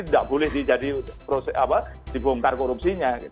tidak boleh dibongkar korupsinya